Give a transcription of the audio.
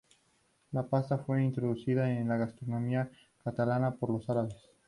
La pasta fue introducida en la gastronomía catalana por los árabes.